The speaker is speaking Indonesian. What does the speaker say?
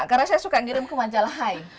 karena saya suka ngirim ke manjalah hai